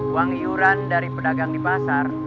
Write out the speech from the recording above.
uang iuran dari pedagang di pasar